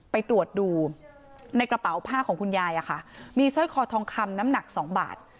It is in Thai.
ไปตรวจดูในกระเป๋าผ้าของคุณยายอะค่ะมีสร้อยคอทองคำน้ำหนัก๒บาท